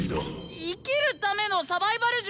生きるためのサバイバル術！